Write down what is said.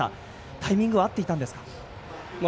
タイミングは合っていたんですか？